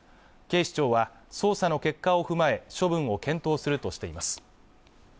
警視庁は捜査の結果を踏まえ処分を検討するとしています